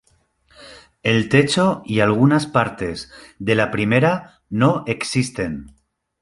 El techo y algunas partes de la primera no existen.